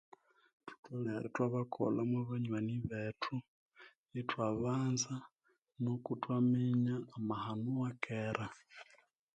Neryo ithwabakolha mwa banyoni bethu ithwabanza nuko ithwaminya amahano awakera.